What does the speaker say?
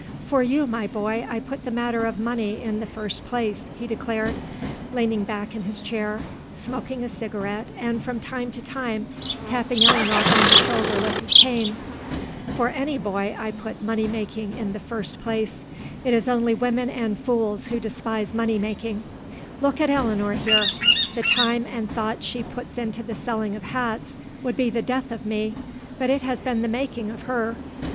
"For you, my boy, I put the matter of money in the first place," he declared, leaning back in his chair, smoking a cigarette and from time to time tapping Eleanor on the shoulder with his cane. "For any boy I put money making in the first place. It is only women and fools who despise money making. Look at Eleanor here. The time and thought she puts into the selling of hats would be the death of me, but it has been the making of her.